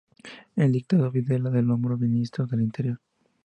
El dictador Videla lo nombró Ministro del Interior.